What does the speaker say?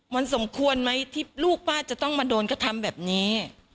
มันสมควรไหมที่ลูกป้าจะต้องมาโดนกระทำแบบนี้